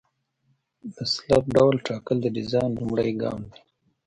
د سلب ډول ټاکل د ډیزاین لومړی ګام دی